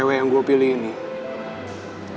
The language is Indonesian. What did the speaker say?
cewek yang gue pilihin nih